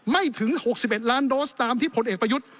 ไม่ถึง๖๑ล้านโดสตามที่ผลเอกประยุทธ์